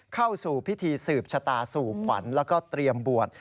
เข้าสู่พิธีสืบชะตาสู่ขวัญแล้วก็เตรียมบวช